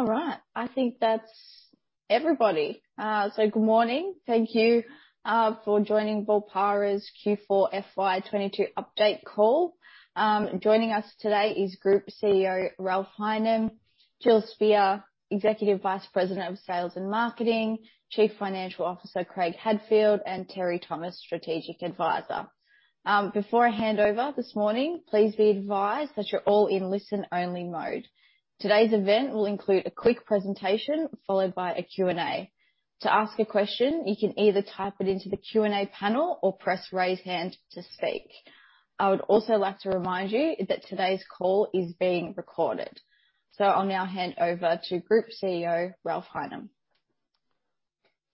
All right. I think that's everybody. So good morning. Thank you for joining Volpara's Q4 FY 2022 update call. Joining us today is Group CEO, Ralph Highnam, Jill Spear, Executive Vice President of Sales and Marketing, Chief Financial Officer Craig Hadfield, and Teri Thomas, Strategic Advisor. Before I hand over this morning, please be advised that you're all in listen-only mode. Today's event will include a quick presentation followed by a Q&A. To ask a question, you can either type it into the Q&A panel or press raise hand to speak. I would also like to remind you that today's call is being recorded. I'll now hand over to Group CEO, Ralph Highnam.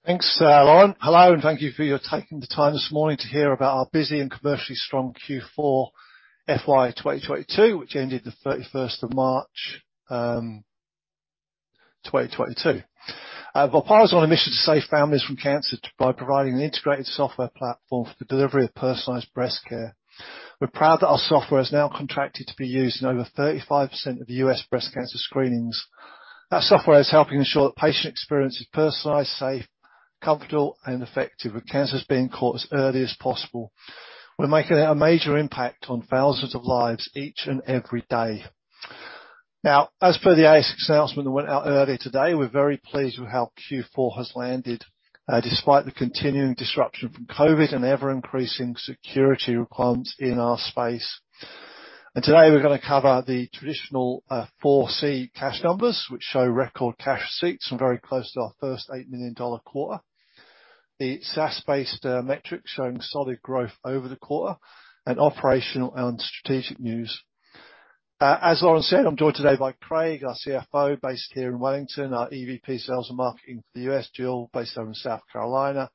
Thanks Lauren. Hello, and thank you for taking the time this morning to hear about our busy and commercially strong Q4 FY 2022, which ended on March 31, 2022. Volpara is on a mission to save families from cancer by providing an integrated software platform for the delivery of personalized breast care. We're proud that our software is now contracted to be used in over 35% of U.S. breast cancer screenings. That software is helping ensure that patient experience is personalized, safe, comfortable, and effective, with cancers being caught as early as possible. We're making a major impact on thousands of lives each and every day. Now, as per the ASX announcement that went out earlier today, we're very pleased with how Q4 has landed, despite the continuing disruption from COVID and ever-increasing security requirements in our space. Today we're gonna cover the traditional 4C cash numbers, which show record cash receipts and very close to our first $8 million quarter. The SaaS-based metrics showing solid growth over the quarter and operational and strategic news. As Lauren said, I'm joined today by Craig, our CFO based here in Wellington, our EVP Sales and Marketing for the U.S., Jill, based out in South Carolina,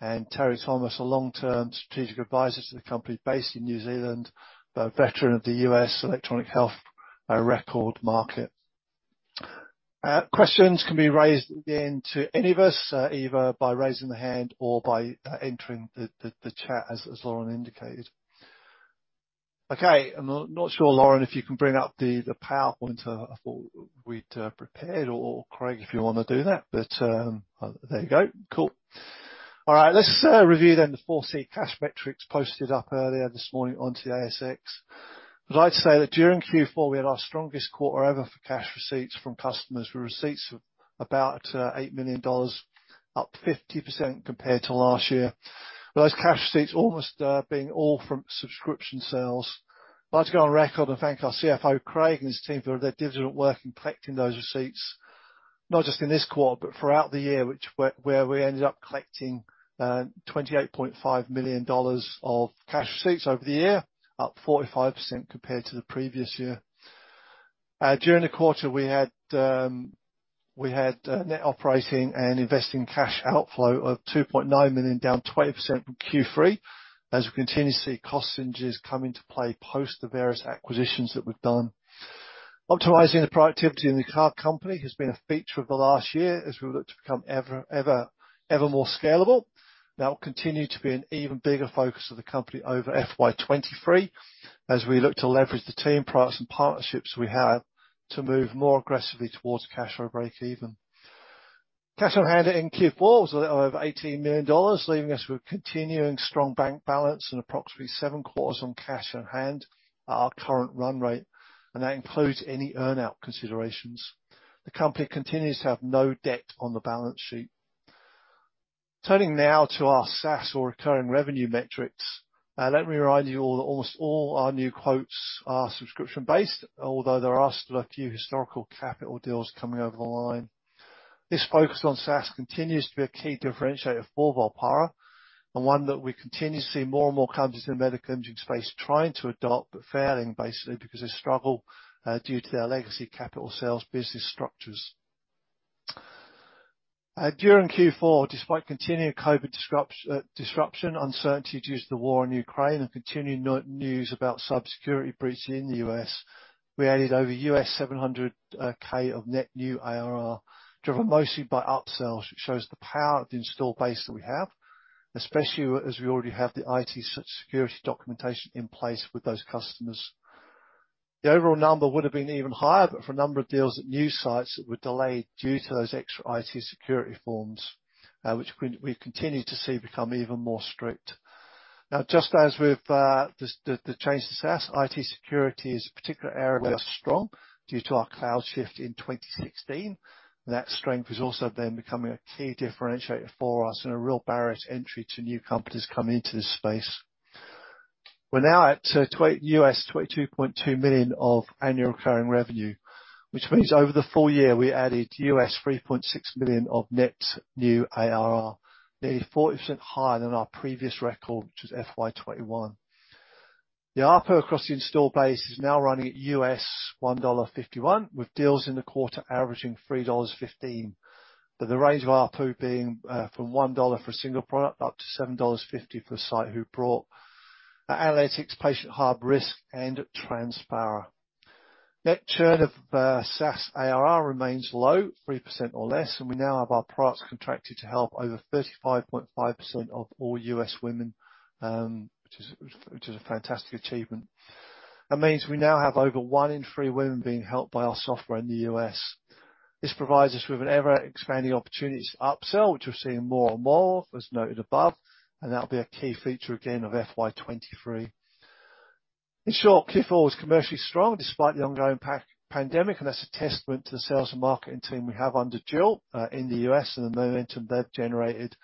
and Teri Thomas, a long-term strategic advisor to the company based in New Zealand, a veteran of the U.S. electronic health record market. Questions can be raised again to any of us, either by raising the hand or by entering the chat as Lauren indicated. Okay. I'm not sure, Lauren, if you can bring up the PowerPoint, I thought we'd prepared, or Craig, if you wanna do that. There you go. Cool. All right. Let's review the free cash metrics posted up earlier this morning onto the ASX. I'd like to say that during Q4 we had our strongest quarter ever for cash receipts from customers, with receipts of about 8 million dollars, up 50% compared to last year. Those cash receipts almost being all from subscription sales. I'd like to go on record and thank our CFO, Craig, and his team for their diligent work in collecting those receipts, not just in this quarter but throughout the year, which where we ended up collecting 28.5 million dollars of cash receipts over the year, up 45% compared to the previous year. During the quarter we had net operating and investing cash outflow of 2.9 million, down 20% from Q3, as we continue to see cost synergies come into play post the various acquisitions that we've done. Optimizing the productivity in the cloud company has been a feature of the last year as we look to become ever more scalable. That will continue to be an even bigger focus of the company over FY 2023, as we look to leverage the team products and partnerships we have to move more aggressively towards cash flow breakeven. Cash on hand in Q4 was a little over $18 million, leaving us with continuing strong bank balance and approximately seven quarters on cash on hand at our current run rate, and that includes any earn-out considerations. The company continues to have no debt on the balance sheet. Turning now to our SaaS or recurring revenue metrics, let me remind you all that almost all our new quotes are subscription-based, although there are still a few historical capital deals coming over the line. This focus on SaaS continues to be a key differentiator for Volpara, and one that we continue to see more and more companies in the medical imaging space trying to adopt, but failing basically because they struggle due to their legacy capital sales business structures. During Q4, despite continued COVID disruption, uncertainty due to the war in Ukraine, and continued news about cyber security breaches in the U.S., we added over $700K of net new ARR, driven mostly by upsells, which shows the power of the install base that we have, especially as we already have the IT security documentation in place with those customers. The overall number would have been even higher but for a number of deals at new sites that were delayed due to those extra IT security forms, which we continue to see become even more strict. Now, just as with the change to SaaS, IT security is a particular area we are strong due to our cloud shift in 2016. That strength is also becoming a key differentiator for us and a real barrier to entry to new companies coming into this space. We're now at $22.2 million of annual recurring revenue, which means over the full year we added $3.6 million of net new ARR. Nearly 40% higher than our previous record, which was FY 2021. The ARPU across the install base is now running at $1.51, with deals in the quarter averaging $3.15. The range of ARPU being from $1 for a single product up to $7.50 per site who brought Analytics, Patient Hub, risk, and Transpara. Churn of SaaS ARR remains low, 3% or less, and we now have our products contracted to help over 35.5% of all U.S. women, which is a fantastic achievement. That means we now have over one in three women being helped by our software in the U.S. This provides us with an ever-expanding opportunity to upsell, which we're seeing more and more, as noted above, and that'll be a key feature again of FY 2023. In short, Q4 was commercially strong despite the ongoing pandemic, and that's a testament to the sales and marketing team we have under Jill in the U.S. and the momentum they've generated.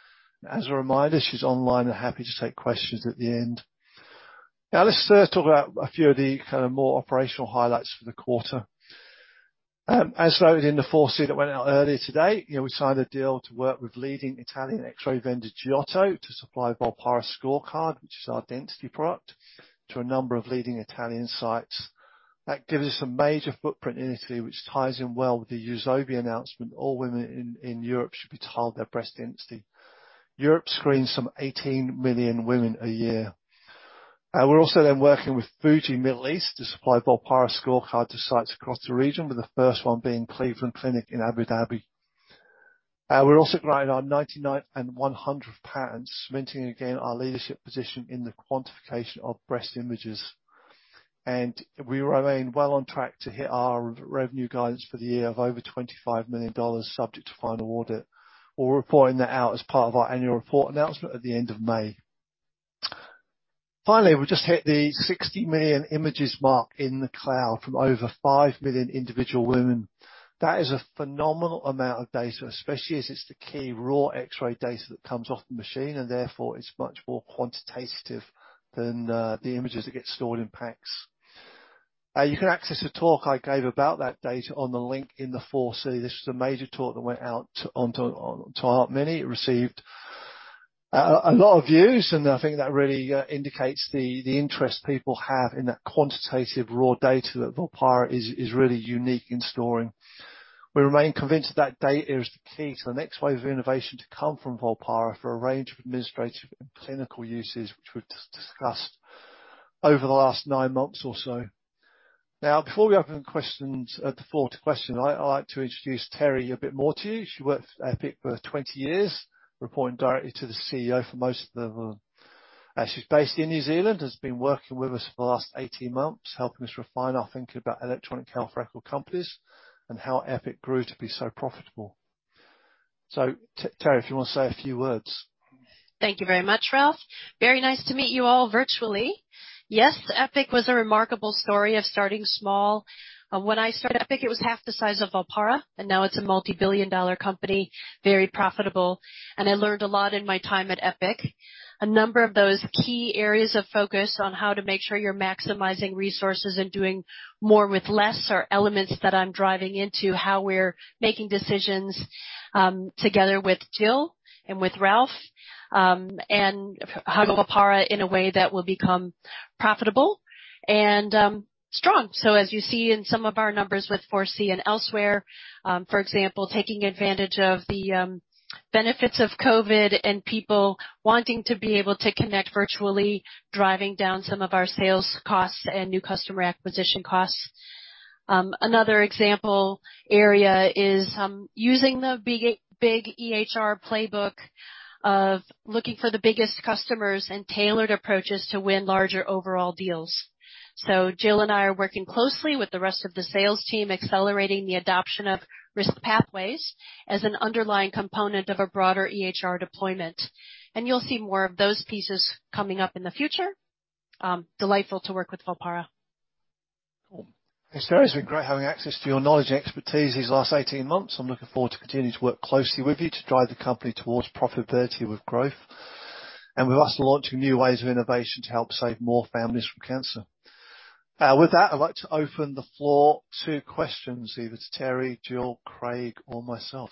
As a reminder, she's online and happy to take questions at the end. Now, let's talk about a few of the kind of more operational highlights for the quarter. As noted in the 4C that went out earlier today, you know, we signed a deal to work with leading Italian X-ray vendor Giotto to supply Volpara Scorecard, which is our density product, to a number of leading Italian sites. That gives us a major footprint in Italy, which ties in well with the EUSOBI announcement all women in Europe should be told their breast density. Europe screens some 18 million women a year. We're also then working with Fujifilm Middle East to supply Volpara Scorecard to sites across the region, with the first one being Cleveland Clinic Abu Dhabi. We're also growing our 99 and 100 patents, cementing again our leadership position in the quantification of breast images. We remain well on track to hit our revenue guidance for the year of over $25 million, subject to final audit. We're reporting that out as part of our annual report announcement at the end of May. Finally, we've just hit the 60 million images mark in the cloud from over 5 million individual women. That is a phenomenal amount of data, especially as it's the key raw X-ray data that comes off the machine, and therefore it's much more quantitative than the images that get stored in PACS. You can access a talk I gave about that data on the link in the 4C. This was a major talk that went out to our many. It received a lot of views, and I think that really indicates the interest people have in that quantitative raw data that Volpara is really unique in storing. We remain convinced that data is the key to the next wave of innovation to come from Volpara for a range of administrative and clinical uses, which we've just discussed over the last nine months or so. Now, before we open questions, the floor to question, I would like to introduce Teri a bit more to you. She worked at Epic for 20 years, reporting directly to the CEO for most of them. She's based in New Zealand, has been working with us for the last 18 months, helping us refine our thinking about electronic health record companies and how Epic grew to be so profitable. Teri, if you wanna say a few words. Thank you very much, Ralph. Very nice to meet you all virtually. Yes, Epic was a remarkable story of starting small. When I started Epic, it was half the size of Volpara, and now it's a multi-billion dollar company, very profitable. I learned a lot in my time at Epic. A number of those key areas of focus on how to make sure you're maximizing resources and doing more with less are elements that I'm driving into how we're making decisions, together with Jill and with Ralph, and how Volpara in a way that will become profitable and strong. As you see in some of our numbers with 4C and elsewhere, for example, taking advantage of the benefits of COVID and people wanting to be able to connect virtually, driving down some of our sales costs and new customer acquisition costs. Another example area is using the big EHR playbook of looking for the biggest customers and tailored approaches to win larger overall deals. Jill and I are working closely with the rest of the sales team, accelerating the adoption of risk pathways as an underlying component of a broader EHR deployment. You'll see more of those pieces coming up in the future. Delightful to work with Volpara. Thanks Teri. It's been great having access to your knowledge and expertise these last 18 months. I'm looking forward to continuing to work closely with you to drive the company towards profitability with growth. We're also launching new waves of innovation to help save more families from cancer. With that, I'd like to open the floor to questions, either to Teri, Jill, Craig, or myself.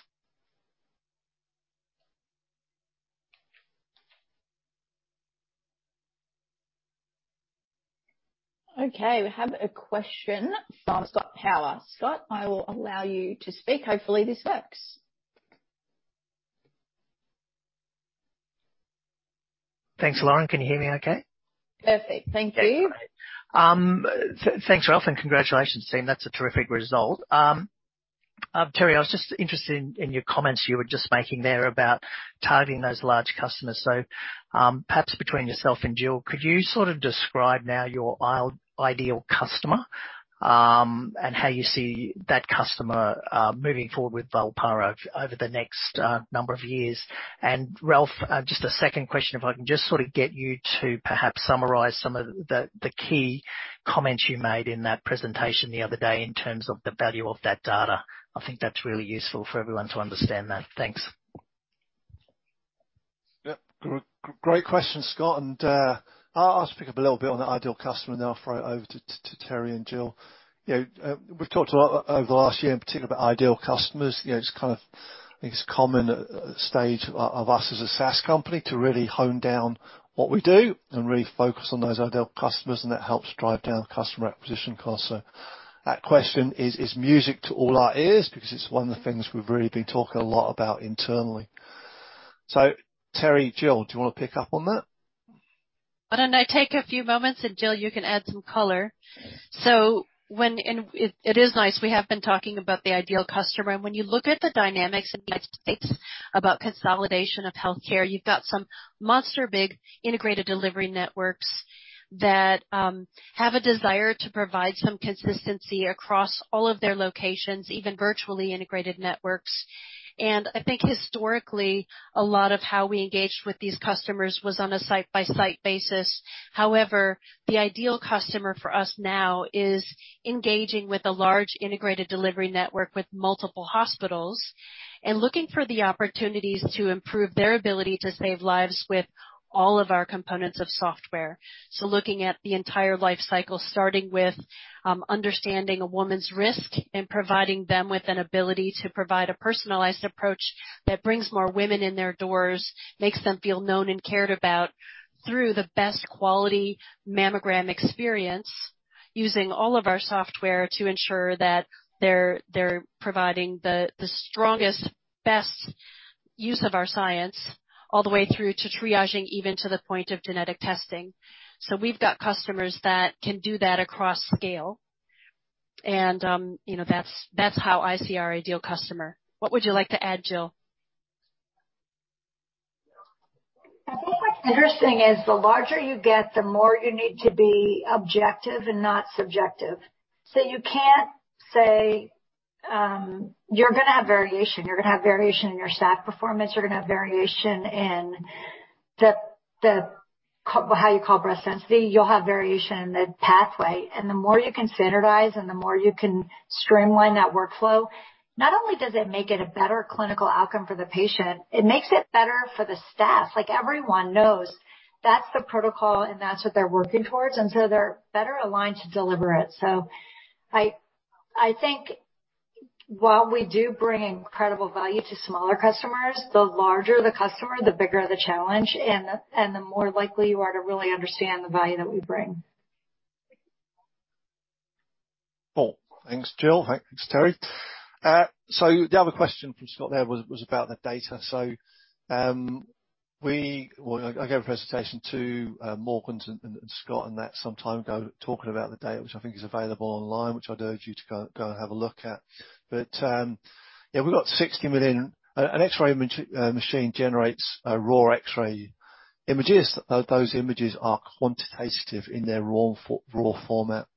Okay, we have a question from Scott Power. Scott, I will allow you to speak. Hopefully, this works. Thanks Lauren. Can you hear me okay? Perfect. Thank you. Thanks Ralph, and congratulations, team. That's a terrific result. Terry, I was just interested in your comments you were just making there about targeting those large customers. Perhaps between yourself and Jill, could you sort of describe now your ideal customer, and how you see that customer moving forward with Volpara over the next number of years? Ralph, just a second question, if I can just sort of get you to perhaps summarize some of the key comments you made in that presentation the other day in terms of the value of that data. I think that's really useful for everyone to understand that. Thanks. Yep. Great question, Scott. I'll just pick up a little bit on the ideal customer, and then I'll throw it over to Teri and Jill. You know, we've talked a lot over the last year in particular about ideal customers. You know, it's kind of, I think it's a common stage of us as a SaaS company to really hone down what we do and really focus on those ideal customers, and that helps drive down customer acquisition costs. That question is music to all our ears because it's one of the things we've really been talking a lot about internally. Teri, Jill, do you wanna pick up on that? Why don't I take a few moments, and Jill, you can add some color. It is nice, we have been talking about the ideal customer. When you look at the dynamics in the United States about consolidation of healthcare, you've got some monster big integrated delivery networks that have a desire to provide some consistency across all of their locations, even virtually integrated networks. I think historically, a lot of how we engaged with these customers was on a site-by-site basis. However, the ideal customer for us now is engaging with a large integrated delivery network with multiple hospitals and looking for the opportunities to improve their ability to save lives with all of our components of software. Looking at the entire life cycle, starting with understanding a woman's risk and providing them with an ability to provide a personalized approach that brings more women in their doors, makes them feel known and cared about through the best quality mammogram experience, using all of our software to ensure that they're providing the strongest, best use of our science all the way through to triaging, even to the point of genetic testing. We've got customers that can do that across scale, and you know, that's how I see our ideal customer. What would you like to add, Jill? I think what's interesting is the larger you get, the more you need to be objective and not subjective. You can't say, you're gonna have variation. You're gonna have variation in your staff performance, you're gonna have variation in how you call breast density, you'll have variation in the pathway. The more you can standardize and the more you can streamline that workflow, not only does it make it a better clinical outcome for the patient, it makes it better for the staff. Like, everyone knows that's the protocol and that's what they're working towards, and so they're better aligned to deliver it. I think while we do bring incredible value to smaller customers, the larger the customer, the bigger the challenge and the more likely you are to really understand the value that we bring. Cool. Thanks Jill. Thanks Terry. The other question from Scott there was about the data. Well, I gave a presentation to Morgans and Scott and that some time ago, talking about the data, which I think is available online, which I'd urge you to go and have a look at. An X-ray machine generates raw X-ray images. Those images are quantitative in their raw format.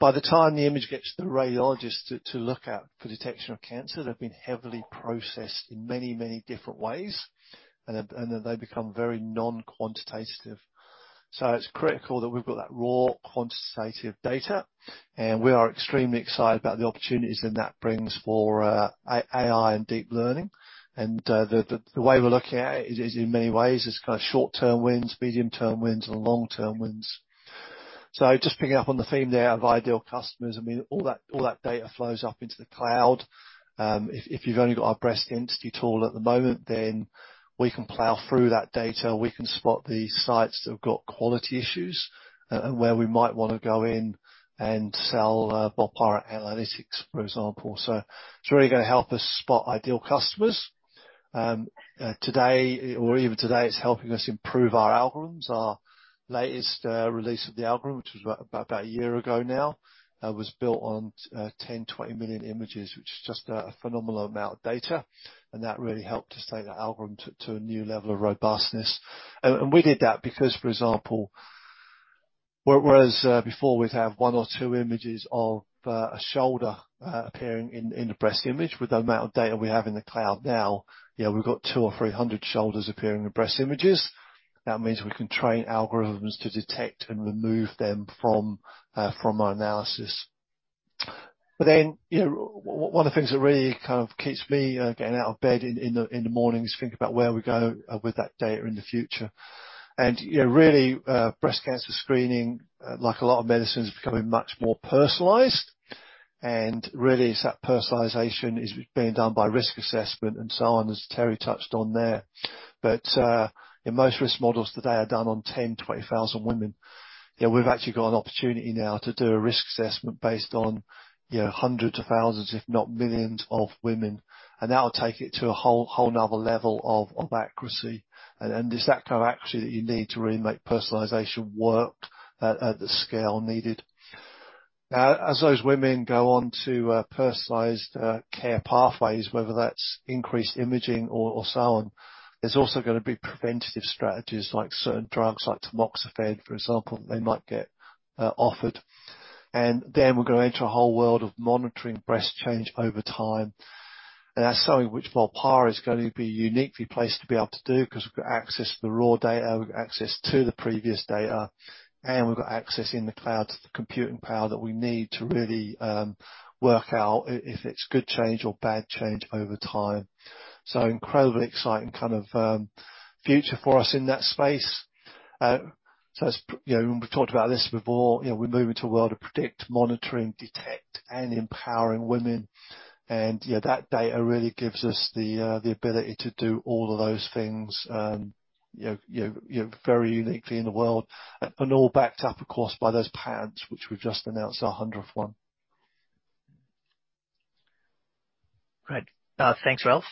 By the time the image gets to the radiologist to look at for detection of cancer, they've been heavily processed in many different ways, and then they become very non-quantitative. It's critical that we've got that raw, quantitative data, and we are extremely excited about the opportunities that that brings for AI and deep learning. The way we're looking at it is in many ways kind of short-term wins, medium-term wins, and long-term wins. Just picking up on the theme there of ideal customers, I mean, all that data flows up into the cloud. If you've only got our breast density tool at the moment, then we can plow through that data, we can spot the sites that have got quality issues, and where we might wanna go in and sell Volpara Analytics, for example. It's really gonna help us spot ideal customers. Today or even today, it's helping us improve our algorithms. Our latest release of the algorithm, which was about a year ago now, was built on 10-20 million images, which is just a phenomenal amount of data, and that really helped to take the algorithm to a new level of robustness. We did that because, for example, whereas before we'd have one or two images of a shoulder appearing in the breast image, with the amount of data we have in the cloud now, yeah, we've got 200 or 300 shoulders appearing in breast images. That means we can train algorithms to detect and remove them from our analysis. You know, one of the things that really kind of keeps me getting out of bed in the morning is think about where we go with that data in the future. You know, really, breast cancer screening, like a lot of medicines, is becoming much more personalized. Really it's that personalization is being done by risk assessment and so on, as Teri touched on there. Yeah, most risk models today are done on 10-20,000 women. Yeah, we've actually got an opportunity now to do a risk assessment based on, you know, hundreds of thousands, if not millions of women. And that'll take it to a whole other level of accuracy. And it's that kind of accuracy that you need to really make personalization work at the scale needed. Now, as those women go on to personalized care pathways, whether that's increased imaging or so on, there's also gonna be preventative strategies like certain drugs like Tamoxifen, for example, they might get offered. Then we're gonna enter a whole world of monitoring breast change over time. That's something which Volpara is gonna be uniquely placed to be able to do because we've got access to the raw data, we've got access to the previous data, and we've got access in the cloud to the computing power that we need to really work out if it's good change or bad change over time. Incredibly exciting kind of future for us in that space. You know, we've talked about this before, you know, we're moving to a world of predict, monitoring, detect, and empowering women. Yeah, that data really gives us the ability to do all of those things, you know, very uniquely in the world. All backed up, of course, by those patents, which we've just announced our hundredth one. Great. Thanks Ralph.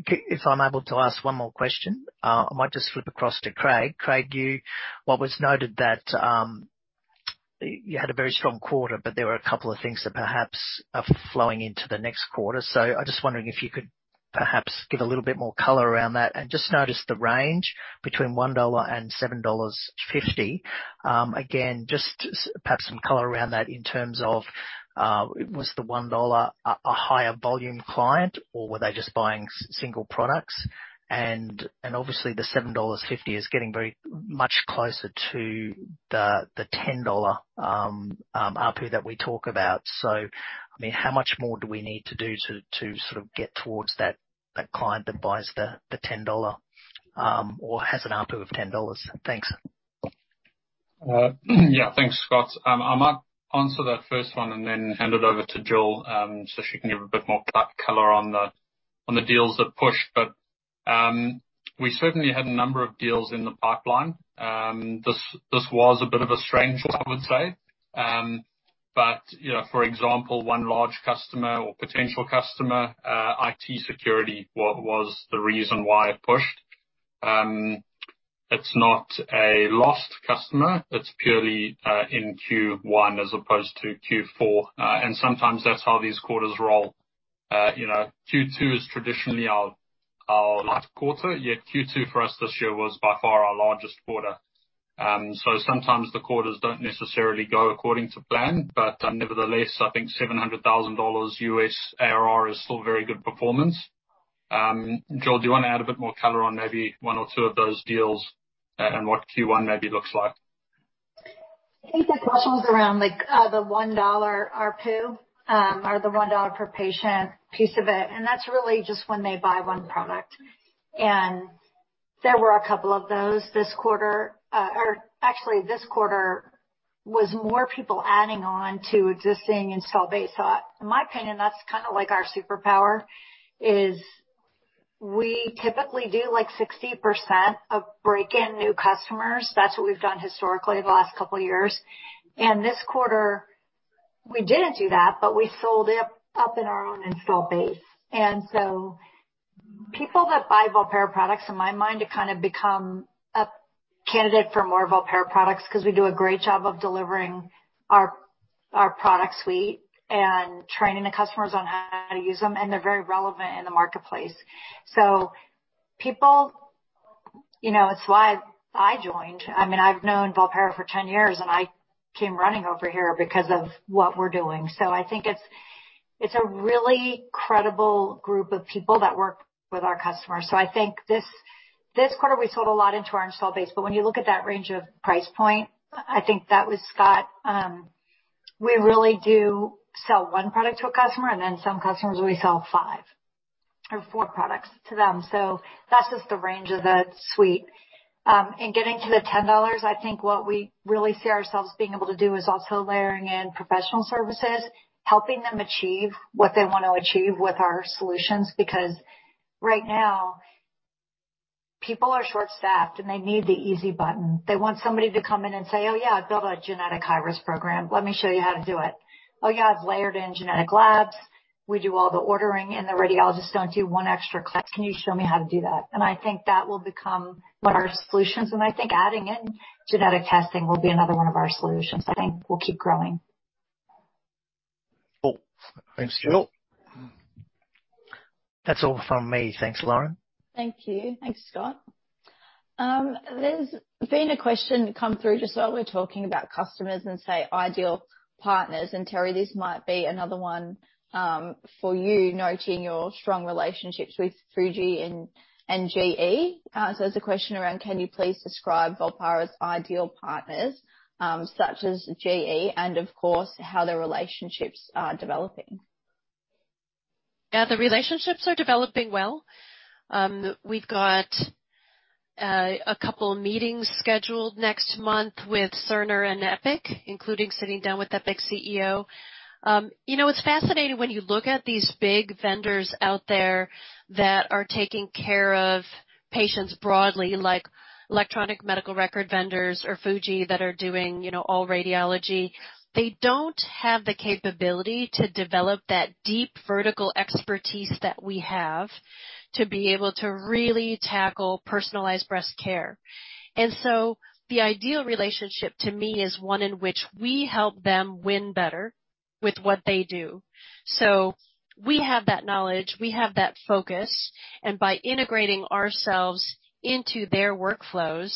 If I'm able to ask one more question, I might just flip across to Craig. Craig, what was noted that you had a very strong quarter, but there were a couple of things that perhaps are flowing into the next quarter. I'm just wondering if you could perhaps give a little bit more color around that. I just noticed the range between 1 dollar and 7.50 dollars. Again, just perhaps some color around that in terms of was the 1 dollar a higher volume client or were they just buying single products? Obviously the 7.50 dollars is getting very much closer to the 10 dollar ARPU that we talk about. I mean, how much more do we need to do to sort of get towards that client that buys the 10-dollar or has an ARPU of 10 dollars? Thanks. Yeah, thanks Scott. I might answer that first one and then hand it over to Jill, so she can give a bit more color on the deals that pushed. We certainly had a number of deals in the pipeline. This was a bit of a strange one, I would say. You know, for example, one large customer or potential customer, IT security was the reason why it pushed. It's not a lost customer. It's purely in Q1 as opposed to Q4. Sometimes that's how these quarters roll. You know, Q2 is traditionally our light quarter, yet Q2 for us this year was by far our largest quarter. Sometimes the quarters don't necessarily go according to plan. Nevertheless, I think $700,000 U.S. ARR is still very good performance. Jill, do you wanna add a bit more color on maybe one or two of those deals and what Q1 maybe looks like? I think the question was around like, the 1 dollar ARPU, or the 1 dollar per patient piece of it, and that's really just when they buy one product. There were a couple of those this quarter. Or actually, this quarter was more people adding on to existing install base. In my opinion, that's kinda like our superpower, is we typically do, like, 60% of bringing in new customers. That's what we've done historically the last couple years. This quarter, we didn't do that, but we upsold in our own install base. People that buy Volpara products, in my mind have kind of become a candidate for more Volpara products 'cause we do a great job of delivering our product suite and training the customers on how to use them, and they're very relevant in the marketplace. People. You know, it's why I joined. I mean, I've known Volpara for 10 years, and I came running over here because of what we're doing. I think it's a really credible group of people that work with our customers. I think this quarter we sold a lot into our install base. When you look at that range of price point, I think that was Scott, we really do sell one product to a customer, and then some customers we sell five or four products to them. That's just the range of the suite. In getting to the 10 dollars, I think what we really see ourselves being able to do is also layering in professional services, helping them achieve what they wanna achieve with our solutions. Because right now, people are short-staffed, and they need the easy button. They want somebody to come in and say, "Oh yeah, I've built a genetic high-risk program. Let me show you how to do it. Oh yeah, I've layered in genetic labs. We do all the ordering, and the radiologists don't do one extra click. Can you show me how to do that?" I think that will become one of our solutions, and I think adding in genetic testing will be another one of our solutions. I think we'll keep growing. Cool. Thanks Jill. That's all from me. Thanks Lauren. Thank you. Thanks Scott. There's been a question come through just while we were talking about customers and, say, ideal partners. Teri, this might be another one for you noting your strong relationships with Fuji and GE. It's a question around: Can you please describe Volpara's ideal partners, such as GE, and of course, how the relationships are developing? Yeah. The relationships are developing well. We've got a couple of meetings scheduled next month with Cerner and Epic, including sitting down with Epic's CEO. You know, it's fascinating when you look at these big vendors out there that are taking care of patients broadly, like electronic medical record vendors or Fujifilm that are doing, you know, all radiology. They don't have the capability to develop that deep vertical expertise that we have to be able to really tackle personalized breast care. The ideal relationship to me is one in which we help them win better with what they do. We have that knowledge. We have that focus. By integrating ourselves into their workflows,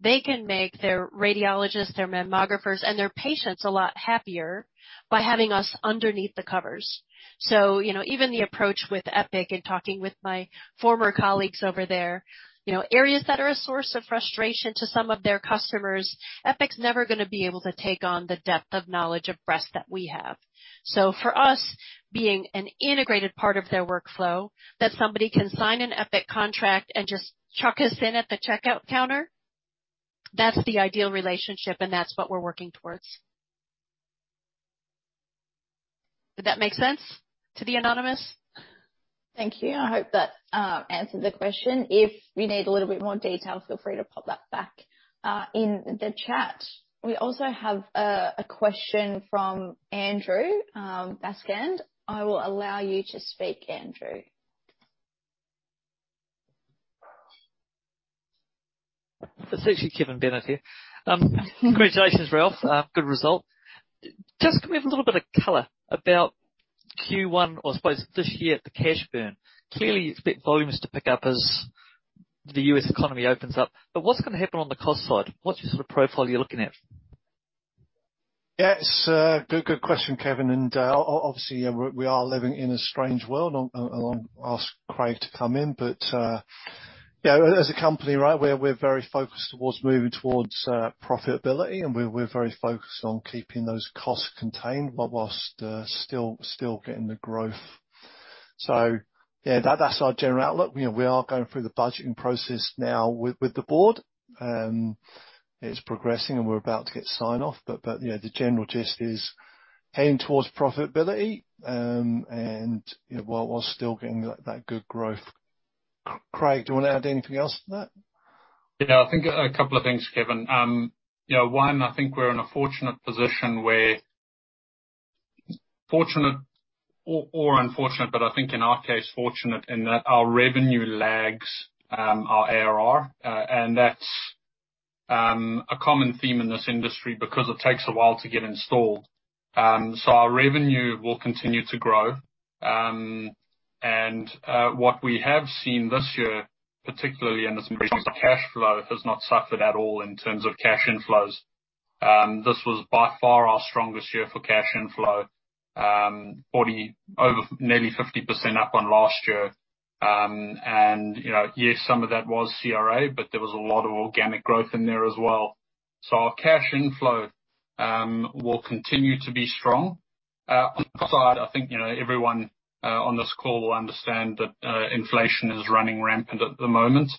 they can make their radiologists, their mammographers, and their patients a lot happier by having us underneath the covers. You know, even the approach with Epic and talking with my former colleagues over there, you know, areas that are a source of frustration to some of their customers, Epic's never gonna be able to take on the depth of knowledge of breast that we have. For us, being an integrated part of their workflow, that somebody can sign an Epic contract and just chuck us in at the checkout counter, that's the ideal relationship, and that's what we're working towards. Did that make sense to the anonymous? Thank you. I hope that answered the question. If you need a little bit more detail, feel free to pop that back in the chat. We also have a question from Andrew Baskind. I will allow you to speak, Andrew. It's actually Kevin Bennett here. Congratulations, Ralph. Good result. Just, can we have a little bit of color about Q1 or, I suppose, this year, the cash burn. Clearly, you expect volumes to pick up as the U.S. economy opens up, but what's gonna happen on the cost side? What's the sort of profile you're looking at? Yeah. It's a good question, Kevin, and obviously we are living in a strange world. I'll ask Craig to come in. You know, as a company, right, we're very focused towards moving towards profitability, and we're very focused on keeping those costs contained whilst still getting the growth. Yeah, that's our general outlook. You know, we are going through the budgeting process now with the board. It's progressing and we're about to get sign-off. You know, the general gist is heading towards profitability, and you know while still getting that good growth. Craig, do you wanna add anything else to that? I think a couple of things, Kevin. I think we're in a fortunate position in that our revenue lags our ARR. That's a common theme in this industry because it takes a while to get installed. Our revenue will continue to grow. What we have seen this year, particularly in this increase of cash flow, has not suffered at all in terms of cash inflows. This was by far our strongest year for cash inflow, over 40%-nearly 50% up on last year. You know, yes, some of that was CRA, but there was a lot of organic growth in there as well. Our cash inflow will continue to be strong. On the cost side, I think, you know, everyone on this call will understand that inflation is running rampant at the moment.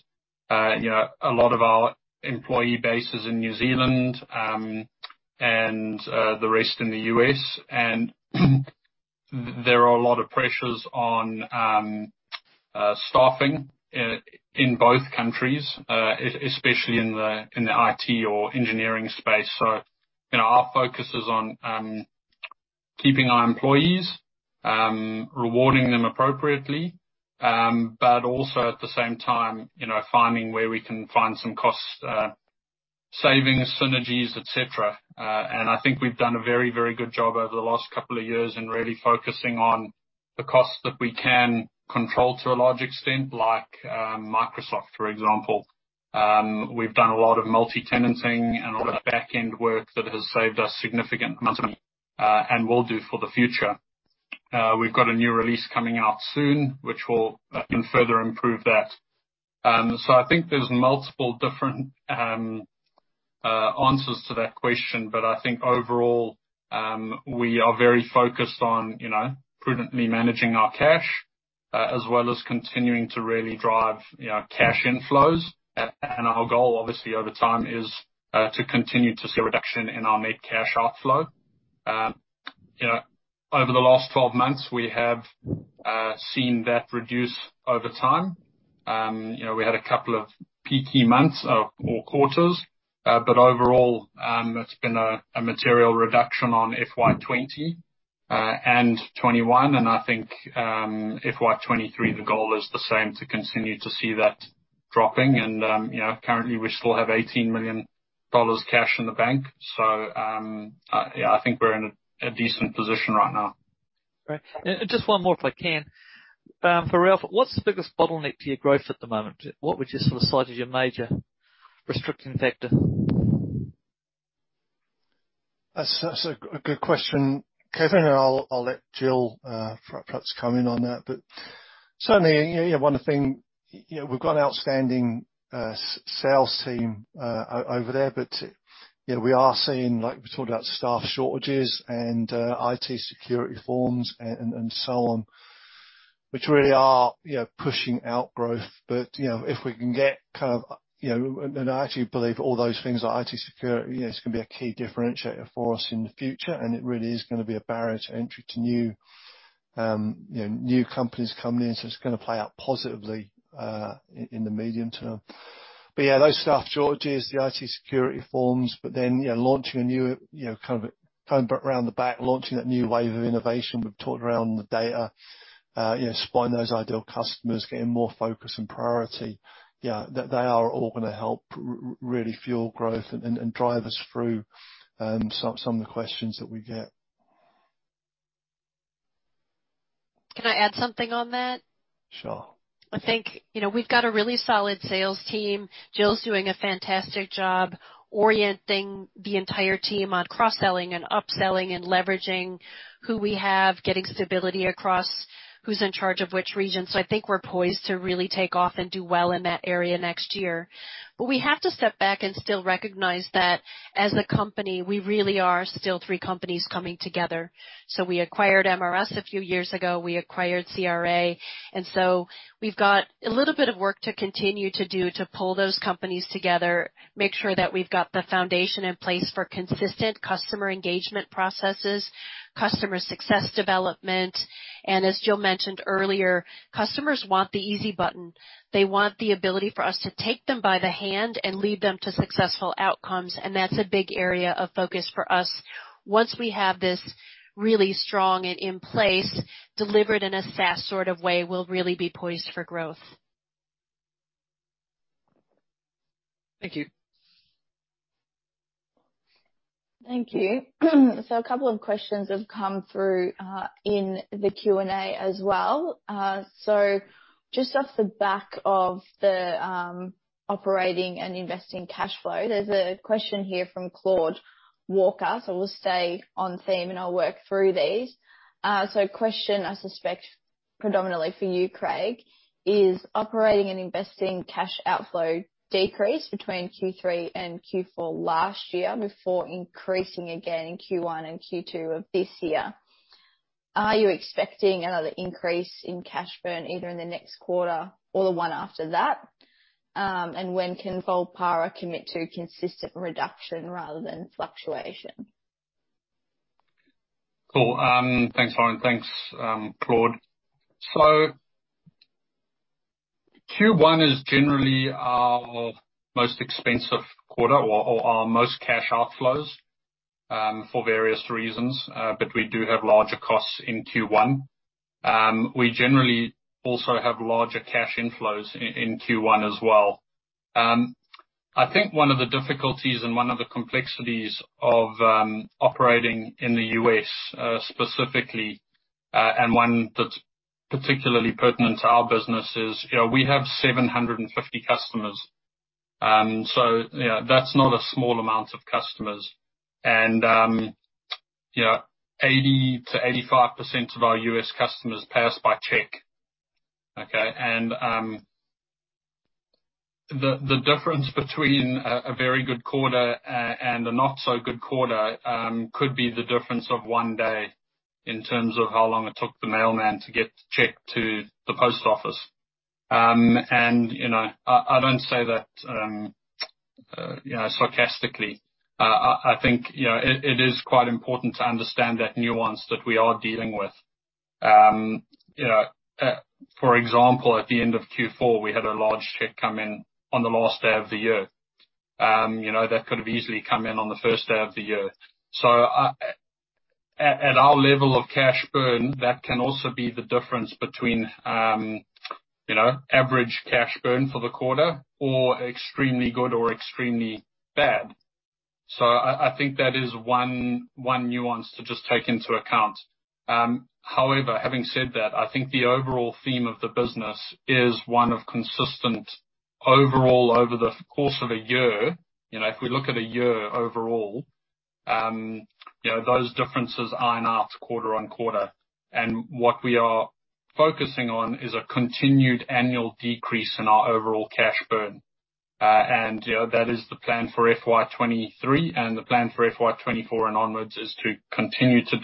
You know, a lot of our employee base is in New Zealand, and the rest in the U.S. There are a lot of pressures on staffing in both countries, especially in the IT or engineering space. You know, our focus is on keeping our employees, rewarding them appropriately, but also, at the same time, you know, finding where we can find some cost savings, synergies, et cetera. I think we've done a very, very good job over the last couple of years in really focusing on the costs that we can control to a large extent, like Microsoft, for example. We've done a lot of multi-tenanting and a lot of back-end work that has saved us significant money, and will do for the future. We've got a new release coming out soon, which will, again, further improve that. I think there's multiple different answers to that question. I think overall, we are very focused on, you know, prudently managing our cash, as well as continuing to really drive, you know, cash inflows. Our goal obviously, over time, is to continue to see a reduction in our net cash outflow. You know, over the last 12 months, we have seen that reduce over time. You know, we had a couple of peaky months or quarters. Overall, it's been a material reduction on FY 2020 and 2021. I think FY 2023, the goal is the same, to continue to see that dropping. You know, currently we still have 18 million dollars cash in the bank. I think we're in a decent position right now. Great. Just one more, if I can. For Ralph, what's the biggest bottleneck to your growth at the moment? What would you sort of cite as your major restricting factor? That's a good question, Kevin, and I'll let Jill perhaps come in on that. Certainly, you know, one of the things, you know, we've got an outstanding sales team over there. You know, we are seeing, like we talked about, staff shortages and IT security firms and so on, which really are, you know, pushing out growth. I actually believe all those things, like IT security, you know, it's gonna be a key differentiator for us in the future, and it really is gonna be a barrier to entry to new companies coming in, so it's gonna play out positively in the medium term. Yeah, those staff shortages, the IT security firms. You know, launching a new, you know, kind of coming back round the back, launching that new wave of innovation we've talked around the data, supplying those ideal customers, getting more focus and priority. Yeah. They are all gonna help really fuel growth and drive us through some of the questions that we get. Can I add something on that? Sure. I think, you know, we've got a really solid sales team. Jill's doing a fantastic job orienting the entire team on cross-selling and upselling and leveraging who we have, getting stability across who's in charge of which region. I think we're poised to really take off and do well in that area next year. We have to step back and still recognize that as a company, we really are still three companies coming together. We acquired MRS a few years ago, we acquired CRA, and so we've got a little bit of work to continue to do to pull those companies together, make sure that we've got the foundation in place for consistent customer engagement processes. Customer success development. As Jill mentioned earlier, customers want the easy button. They want the ability for us to take them by the hand and lead them to successful outcomes, and that's a big area of focus for us. Once we have this really strong and in place, delivered in a SaaS sort of way, we'll really be poised for growth. Thank you. Thank you. A couple of questions have come through in the Q&A as well. Just off the back of the operating and investing cash flow, there's a question here from Claude Walker. We'll stay on theme, and I'll work through these. Question I suspect predominantly for you, Craig, is operating and investing cash outflow decreased between Q3 and Q4 last year before increasing again in Q1 and Q2 of this year. Are you expecting another increase in cash burn either in the next quarter or the one after that? And when can Volpara commit to a consistent reduction rather than fluctuation? Cool. Thanks Lauren. Thanks Claude. Q1 is generally our most expensive quarter or our most cash outflows for various reasons. We do have larger costs in Q1. We generally also have larger cash inflows in Q1 as well. I think one of the difficulties and one of the complexities of operating in the U.S. specifically and one that's particularly pertinent to our business is, you know, we have 750 customers. You know, that's not a small amount of customers and, you know, 80%-85% of our U.S. customers pay us by check. Okay? The difference between a very good quarter and a not so good quarter could be the difference of one day in terms of how long it took the mailman to get the check to the post office. You know, I don't say that you know, sarcastically. I think you know, it is quite important to understand that nuance that we are dealing with. You know, for example, at the end of Q4, we had a large check come in on the last day of the year you know, that could have easily come in on the first day of the year. At our level of cash burn, that can also be the difference between you know, average cash burn for the quarter or extremely good or extremely bad. I think that is one nuance to just take into account. However, having said that, I think the overall theme of the business is one of consistent overall over the course of a year. You know, if we look at a year overall, you know, those differences iron out quarter on quarter. What we are focusing on is a continued annual decrease in our overall cash burn. That is the plan for FY 2023, and the plan for FY 2024 and onwards is to continue to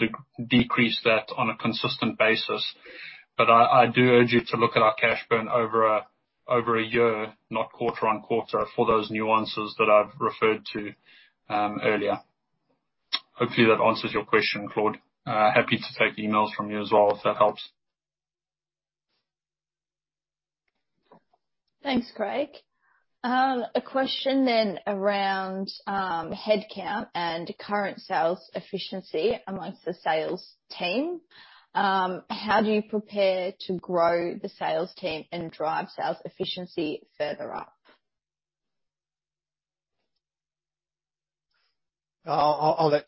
decrease that on a consistent basis. I do urge you to look at our cash burn over a year, not quarter on quarter, for those nuances that I've referred to earlier. Hopefully, that answers your question, Claude. Happy to take emails from you as well, if that helps. Thanks Craig. A question around headcount and current sales efficiency among the sales team. How do you prepare to grow the sales team and drive sales efficiency further up? I'll let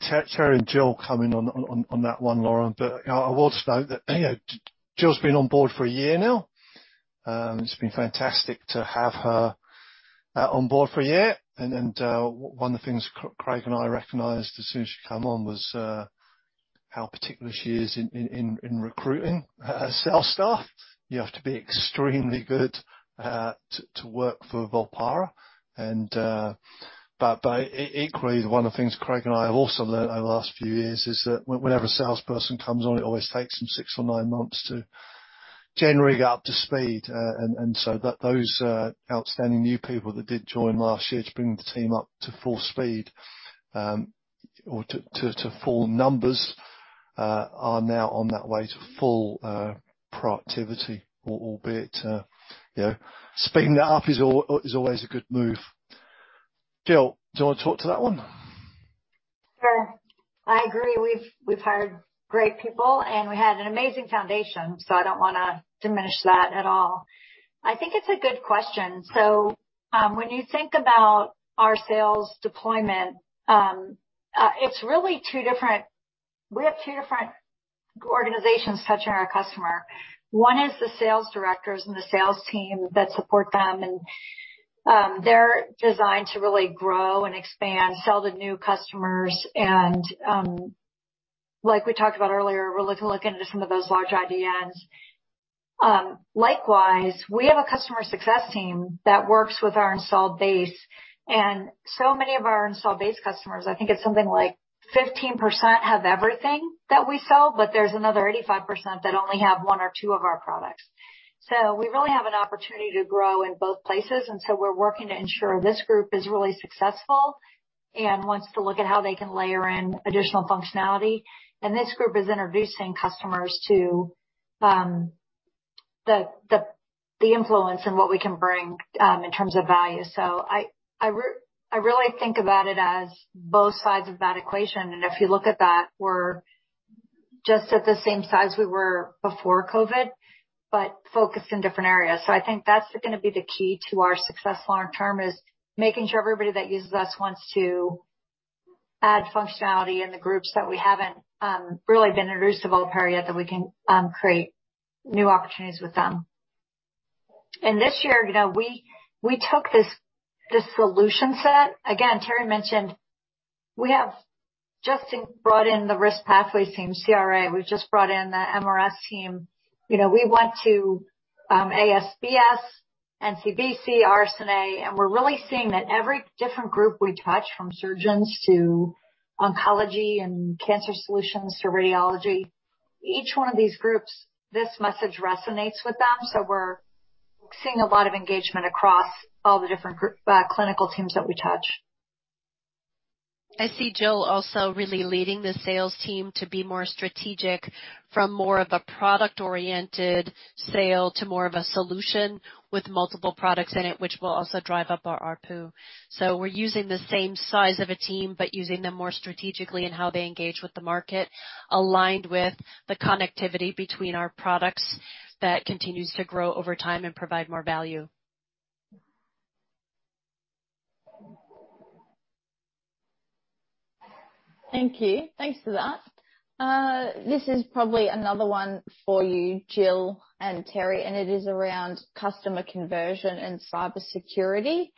Teri and Jill come in on that one, Lauren, but you know, I want to note that, you know, Jill's been on board for a year now. It's been fantastic to have her on board for a year. One of the things Craig and I recognized as soon as she come on was how particular she is in recruiting sales staff. You have to be extremely good to work for Volpara. But equally, one of the things Craig and I have also learned over the last few years is that when a salesperson comes on, it always takes them six or nine months to generally get up to speed. Those outstanding new people that did join last year to bring the team up to full speed, or to full numbers, are now on their way to full productivity, albeit you know, speeding that up is always a good move. Jill, do you wanna talk to that one? Sure. I agree. We've hired great people, and we had an amazing foundation, so I don't wanna diminish that at all. I think it's a good question. When you think about our sales deployment, it's really two different organizations touching our customer. One is the sales directors and the sales team that support them, and they're designed to really grow and expand, sell to new customers. Like we talked about earlier, we're looking into some of those large IDNs. Likewise, we have a customer success team that works with our installed base. So many of our installed base customers, I think it's something like 15% have everything that we sell, but there's another 85% that only have one or two of our products. We really have an opportunity to grow in both places, and we're working to ensure this group is really successful and wants to look at how they can layer in additional functionality. This group is introducing customers to the influence and what we can bring in terms of value. I really think about it as both sides of that equation. If you look at that, we're just at the same size we were before COVID, but focused in different areas. I think that's gonna be the key to our success long term, is making sure everybody that uses us wants to add functionality in the groups that we haven't really been introduced to Volpara yet, that we can create new opportunities with them. This year, you know, we took this solution set. Again, Terry mentioned we have just brought in the risk pathway team, CRA. We've just brought in the MRS team. You know, we went to ASPS, NCBC, RSNA, and we're really seeing that every different group we touch, from surgeons to oncology and cancer solutions to radiology, each one of these groups, this message resonates with them. We're seeing a lot of engagement across all the different group, clinical teams that we touch. I see Jill also really leading the sales team to be more strategic from more of a product-oriented sale to more of a solution with multiple products in it, which will also drive up our ARPU. We're using the same size of a team, but using them more strategically in how they engage with the market, aligned with the connectivity between our products that continues to grow over time and provide more value. Thank you. Thanks for that. This is probably another one for you, Jill and Teri, and it is around customer conversion and cybersecurity,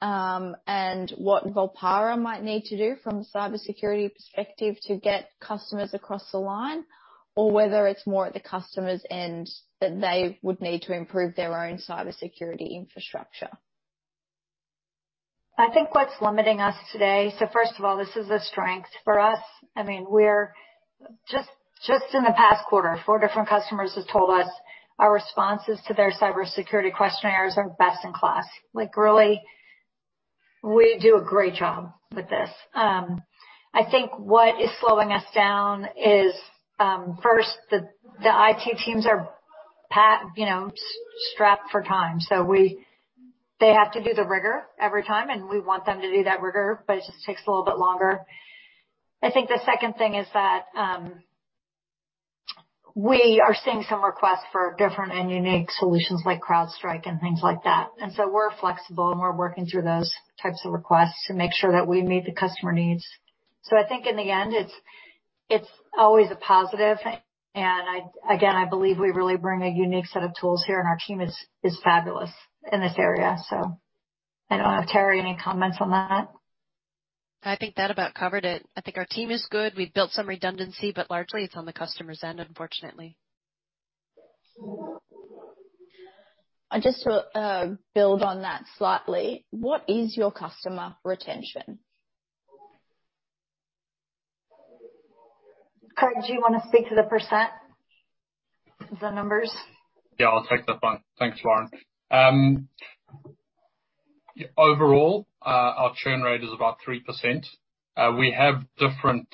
and what Volpara might need to do from a cybersecurity perspective to get customers across the line, or whether it's more at the customer's end that they would need to improve their own cybersecurity infrastructure. I think what's limiting us today. First of all, this is a strength for us. I mean, just in the past quarter, four different customers have told us our responses to their cybersecurity questionnaires are best in class. Like, really, we do a great job with this. I think what is slowing us down is, first, the IT teams are strapped for time. They have to do the rigor every time, and we want them to do that rigor, but it just takes a little bit longer. I think the second thing is that we are seeing some requests for different and unique solutions like CrowdStrike and things like that. We're flexible, and we're working through those types of requests to make sure that we meet the customer needs. I think in the end, it's always a positive. I again believe we really bring a unique set of tools here, and our team is fabulous in this area. I don't know. Teri, any comments on that? I think that about covered it. I think our team is good. We've built some redundancy, but largely it's on the customer's end, unfortunately. Just to build on that slightly, what is your customer retention? Craig, do you wanna speak to the percent? The numbers? Yeah, I'll take that one. Thanks Lauren. Overall, our churn rate is about 3%. We have different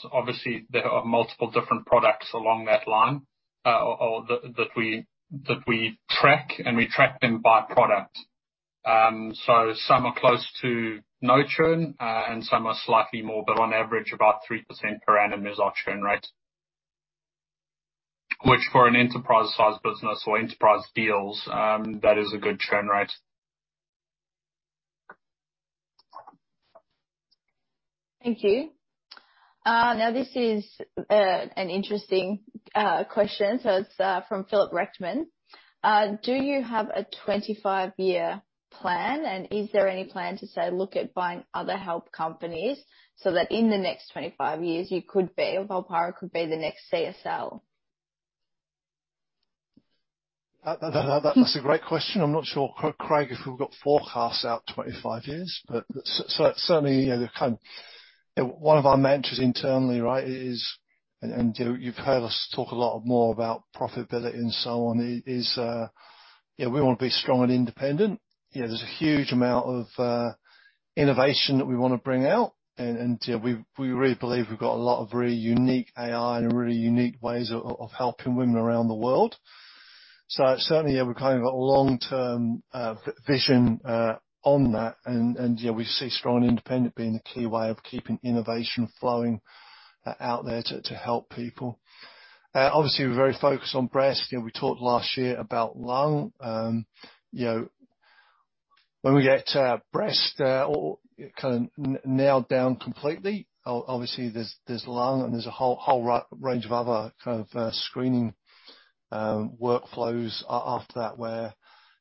products along that line or that we track, and we track them by product. Obviously, there are multiple different products. Some are close to no churn, and some are slightly more, but on average about 3% per annum is our churn rate. Which, for an enterprise-sized business or enterprise deals, is a good churn rate. Thank you. Now this is an interesting question. It's from Philip Rothman. Do you have a 25-year plan, and is there any plan to, say, look at buying other health companies so that in the next 25 years, you could be, or Volpara could be the next CSL? That's a great question. I'm not sure, Craig, if we've got forecasts out 25 years. Certainly, you know, one of our mantras internally, right, is, and you've heard us talk a lot more about profitability and so on, is, you know, we wanna be strong and independent. You know, there's a huge amount of innovation that we wanna bring out, and, you know, we really believe we've got a lot of really unique AI and really unique ways of helping women around the world. Certainly, yeah, we've kind of got a long-term vision on that and, you know, we see strong independent being the key way of keeping innovation flowing out there to help people. Obviously we're very focused on breast. You know, we talked last year about lung. You know, when we get breast or kind of nailed down completely, obviously there's lung and there's a whole range of other kind of screening workflows after that where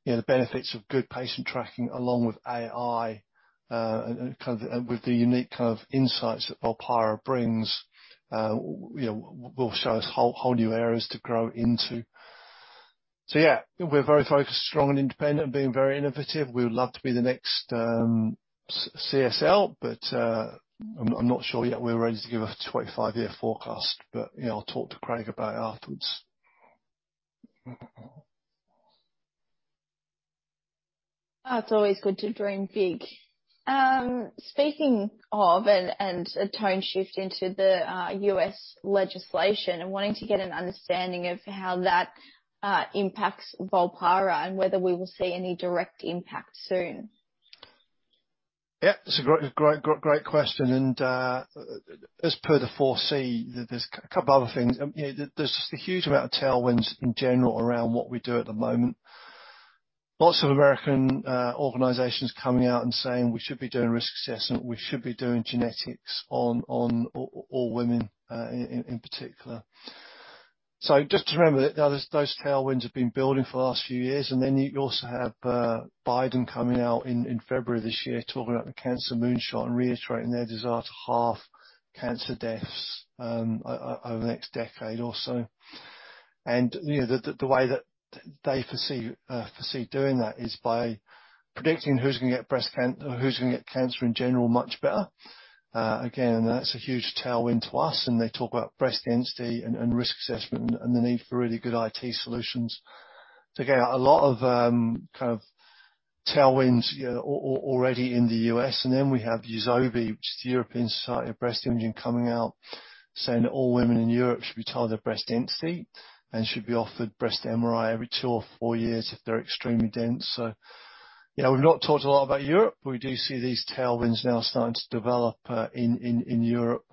you know, the benefits of good patient tracking along with AI kind of with the unique kind of insights that Volpara brings you know, will show us whole new areas to grow into. Yeah, we're very focused, strong and independent, being very innovative. We would love to be the next CSL, but I'm not sure yet we're ready to give a 25-year forecast. You know, I'll talk to Craig about it afterwards. It's always good to dream big. Speaking of and a tone shift into the U.S. legislation and wanting to get an understanding of how that impacts Volpara and whether we will see any direct impact soon. Yeah, it's a great question. As per the forecast, there's a couple other things. You know, there's just a huge amount of tailwinds in general around what we do at the moment. Lots of American organizations coming out and saying, "We should be doing risk assessment. We should be doing genetics on all women in particular." Just to remember that those tailwinds have been building for the last few years, and then you also have Biden coming out in February of this year talking about the Cancer Moonshot and reiterating their desire to halve cancer deaths over the next decade or so. You know, the way that they foresee doing that is by predicting who's gonna get breast cancer or who's gonna get cancer in general much better. Again, that's a huge tailwind to us, and they talk about breast density and risk assessment and the need for really good IT solutions to get a lot of kind of tailwinds, you know, already in the U.S. Then we have EUSOBI, which is the European Society of Breast Imaging, coming out, saying that all women in Europe should be told their breast density and should be offered breast MRI every two or four years if they're extremely dense. You know, we've not talked a lot about Europe. We do see these tailwinds now starting to develop in Europe.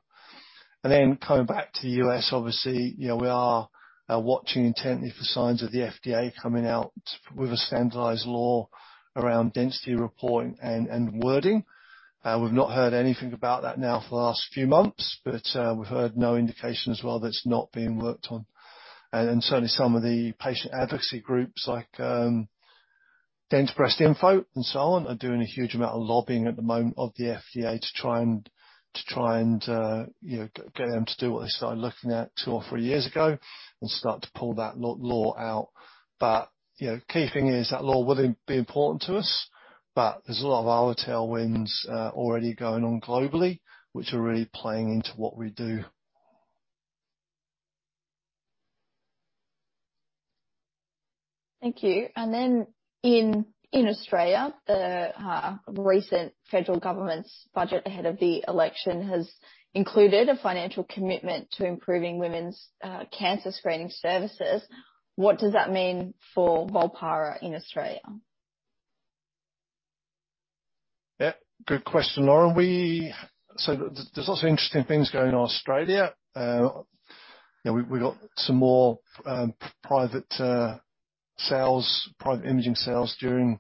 Then coming back to the U.S., obviously, you know, we are watching intently for signs of the FDA coming out with a standardized law around density reporting and wording. We've not heard anything about that now for the last few months, but we've heard no indication as well that it's not being worked on. Certainly some of the patient advocacy groups like DenseBreast-info.org and so on are doing a huge amount of lobbying at the moment with the FDA to try and you know get them to do what they started looking at two or three years ago and start to pull that law out. You know, key thing is that law will be important to us. There's a lot of other tailwinds already going on globally, which are really playing into what we do. Thank you. In Australia, the recent federal government's budget ahead of the election has included a financial commitment to improving women's cancer screening services. What does that mean for Volpara in Australia? Yeah. Good question, Laura. There's also interesting things going on in Australia. We've got some more private sales, private imaging sales during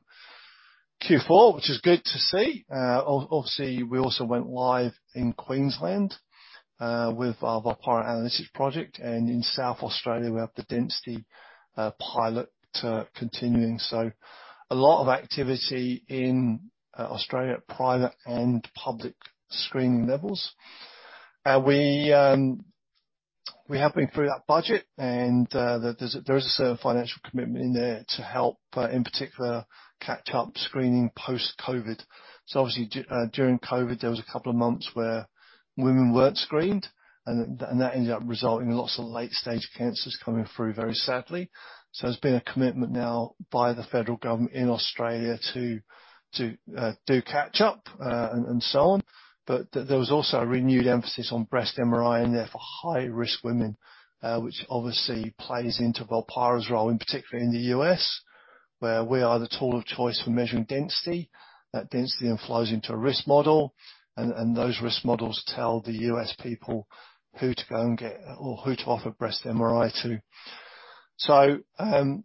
Q4, which is good to see. Obviously, we also went live in Queensland with our Volpara Analytics project. In South Australia, we have the density pilot continuing. A lot of activity in Australia at private and public screening levels. We have been through that budget and there's a certain financial commitment in there to help in particular catch-up screening post-COVID. Obviously, during COVID, there was a couple of months where women weren't screened and that ended up resulting in lots of late-stage cancers coming through, very sadly. There's been a commitment now by the federal government in Australia to do catch-up and so on. But there was also a renewed emphasis on breast MRI in there for high-risk women, which obviously plays into Volpara's role, in particular in the U.S., where we are the tool of choice for measuring density. That density then flows into a risk model. Those risk models tell the U.S. people who to go and get or who to offer breast MRI to.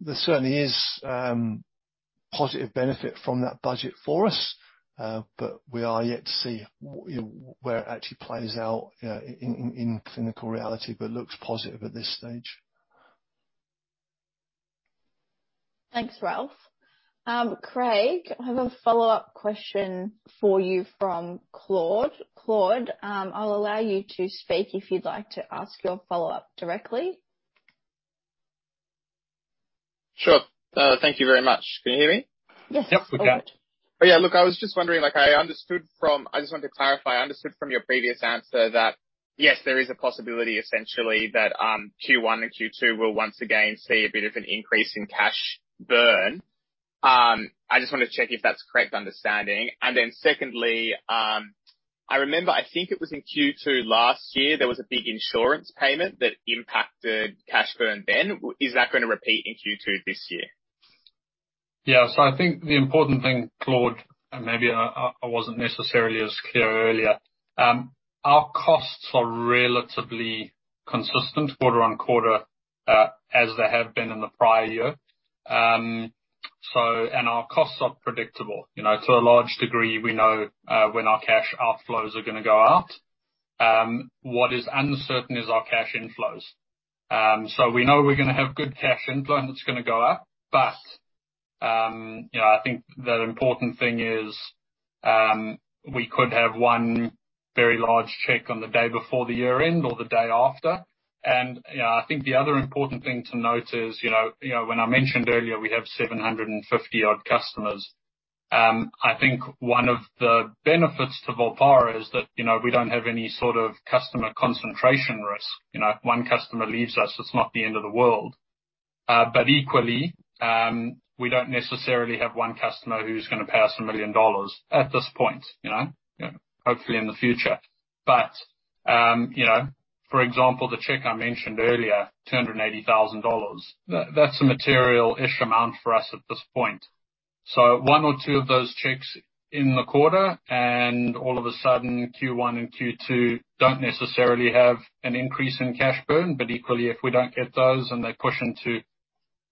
There certainly is positive benefit from that budget for us. But we are yet to see where it actually plays out in clinical reality, but looks positive at this stage. Thanks Ralph. Craig, I have a follow-up question for you from Claude. Claude, I'll allow you to speak if you'd like to ask your follow-up directly. Sure. Thank you very much. Can you hear me? Yes. Yep, we can. Oh, yeah. Look, I was just wondering, I just wanted to clarify. I understood from your previous answer that, yes, there is a possibility essentially that Q1 and Q2 will once again see a bit of an increase in cash burn. I just wanna check if that's a correct understanding. Secondly, I remember, I think it was in Q2 last year, there was a big insurance payment that impacted cash burn then. Is that gonna repeat in Q2 this year? Yeah. I think the important thing, Claude, and maybe I wasn't necessarily as clear earlier, our costs are relatively consistent quarter on quarter, as they have been in the prior year. Our costs are predictable. You know, to a large degree, we know when our cash outflows are gonna go out. What is uncertain is our cash inflows. We know we're gonna have good cash inflow, and it's gonna go up. You know, I think the important thing is, we could have one very large check on the day before the year-end or the day after. You know, I think the other important thing to note is, you know, when I mentioned earlier we have 750 odd customers, I think one of the benefits to Volpara is that, you know, we don't have any sort of customer concentration risk. You know, if one customer leaves us, it's not the end of the world. Equally, we don't necessarily have one customer who's gonna pass a million dollars at this point, you know? Hopefully in the future. You know, for example, the check I mentioned earlier, 280 thousand dollars, that's a material-ish amount for us at this point. One or two of those checks in the quarter, and all of a sudden Q1 and Q2 don't necessarily have an increase in cash burn, but equally, if we don't get those and they push into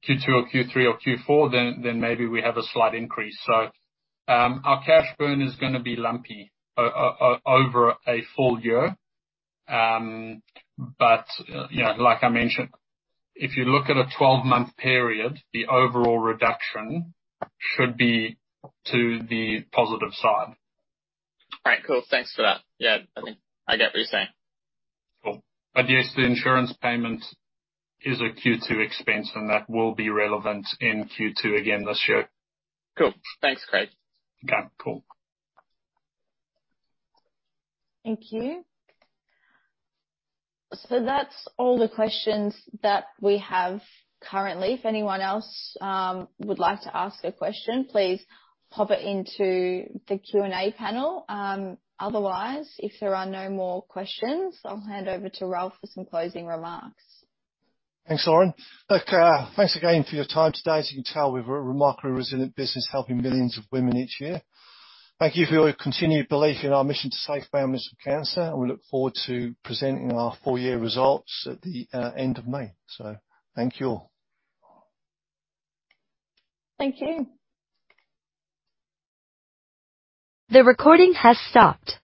Q2 or Q3 or Q4, then maybe we have a slight increase. Our cash burn is gonna be lumpy over a full year. You know, like I mentioned, if you look at a 12-month period, the overall reduction should be to the positive side. All right, cool. Thanks for that. Yeah, I think I get what you're saying. Cool. Yes, the insurance payment is a Q2 expense, and that will be relevant in Q2 again this year. Cool. Thanks Craig. Okay, cool. Thank you. That's all the questions that we have currently. If anyone else would like to ask a question, please pop it into the Q&A panel. Otherwise, if there are no more questions, I'll hand over to Ralph for some closing remarks. Thanks Lauren. Look, thanks again for your time today. As you can tell, we've a remarkably resilient business helping millions of women each year. Thank you for your continued belief in our mission to save families from cancer, and we look forward to presenting our full year results at the end of May. Thank you all. Thank you. The recording has stopped.